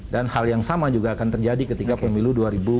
dan hal yang sama juga akan terjadi ketika pemilu dua ribu sembilan belas